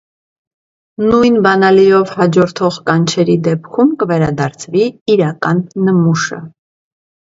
Նույն բանալիով հաջորդող կանչերի դեպքում կվերադարձվի իրական նմուշը։